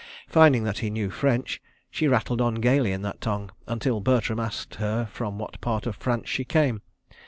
Finding that he knew French, she rattled on gaily in that tongue, until Bertram asked her from what part of France she came.